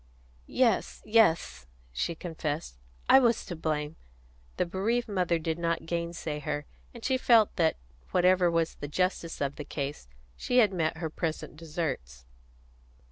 "Yes, yes," she confessed. "I was to blame." The bereaved mother did not gainsay her, and she felt that, whatever was the justice of the case, she had met her present deserts.